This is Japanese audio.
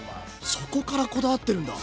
そこからこだわってるんだ。